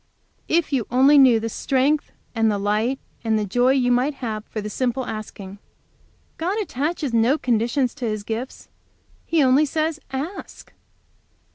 "If you only knew the strength, and the light, and the joy you might have for the simple asking. God attaches no conditions to His gifts. He only says, 'Ask!'"